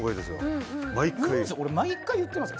俺、毎回言ってますよ。